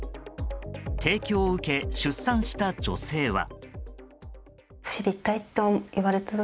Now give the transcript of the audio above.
提供を受け出産した女性は。